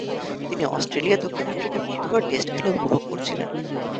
তিনি অস্ট্রেলিয়া-দক্ষিণ আফ্রিকার মধ্যকার টেস্ট খেলা উপভোগ করছিলেন।